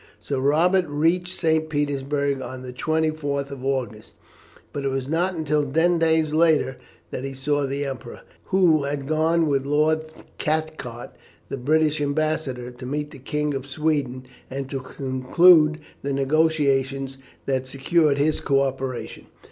Sir Robert reached St. Petersburg on the 24th of August, but it was not until ten days later that he saw the Emperor, who had gone with Lord Cathcart, the British Ambassador, to meet the King of Sweden, and to conclude the negotiations that secured his co operation.